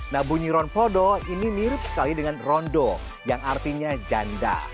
nah bunyi ron podo ini mirip sekali dengan rondo yang artinya janda